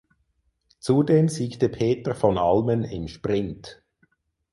Zudem siegte Peter von Allmen im Sprint.